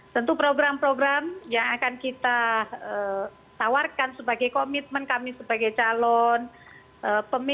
tentu program program yang akan kita tawarkan sebagai komitmen kami sebagai calon pemimpin